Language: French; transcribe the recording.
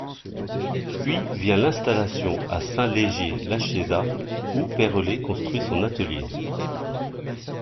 Puis vient l'installation à Saint-Légier-La Chiésaz, où Perrelet construit son atelier.